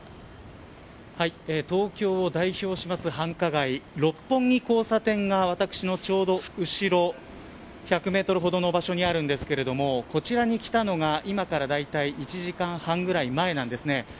東京を代表する繁華街六本木交差点が私のちょうど後ろ１００メートルほどの場所にあるんですけれどこちらに来たのが、今からだいたい１時間半ぐらい前です。